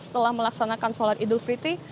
setelah melaksanakan sholat idul fitri